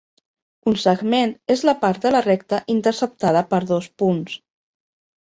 Un segment és la part de la recta interceptada per dos punts.